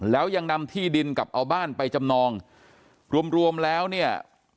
แล้วยังนำที่ดินกับเอาบ้านไปจำนองรวมรวมแล้วเนี่ย